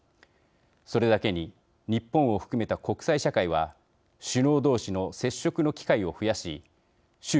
それだけに日本を含めた国際社会は首脳同士の接触の機会を増やし習